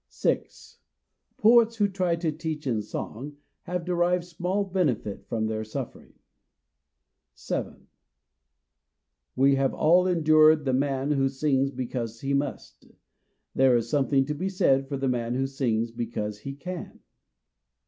6. Poets who try to teach in song have derived small benefit from their suffering. 7. We have all endured the man who sings because he must ; there is something to be said for the man who sings because he can.